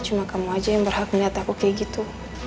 cuma kamu aja yang berhak melihat aku kayak gitu